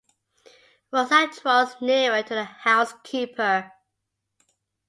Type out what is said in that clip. Rosa draws nearer to the housekeeper.